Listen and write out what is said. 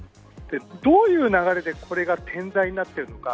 どういう流れでこれが点在になっているのか。